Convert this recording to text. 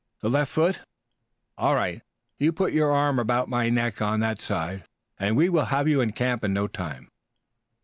"The left foot? All right, you put an arm about my neck on that side and we will have you in camp in no time."